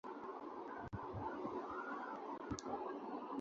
অপরটি হল তুরস্ক-ইরাকি চুক্তি।